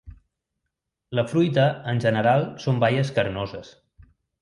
La fruita, en general són baies carnoses.